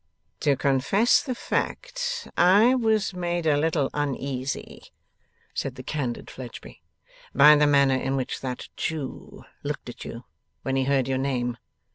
'To confess the fact, I was made a little uneasy,' said the candid Fledgeby, 'by the manner in which that Jew looked at you when he heard your name.